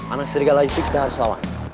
anak serigala itu kita harus lawan